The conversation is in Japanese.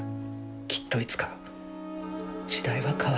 きっといつか時代は変わる。